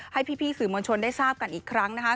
ให้พี่สื่อมวลชนได้ทราบกันอีกครั้งนะคะ